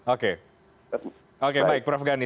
oke baik prof ghani